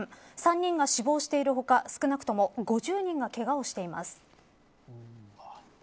３人が死亡している他少なくとも５０人がけがをしています。